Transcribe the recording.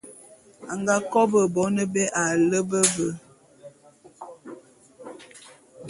A nga kobô bone bé a lepe be.